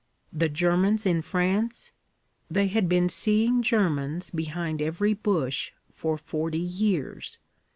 The Germans in France? They had been seeing Germans behind every bush for forty years.